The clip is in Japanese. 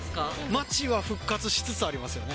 街は復活しつつありますよね。